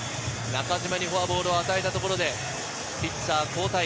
中島にフォアボールを与えたところでピッチャー交代。